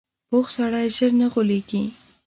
پوخ سړی ژر نه غولېږي